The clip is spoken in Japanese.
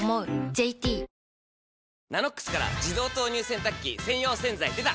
ＪＴ「ＮＡＮＯＸ」から自動投入洗濯機専用洗剤でた！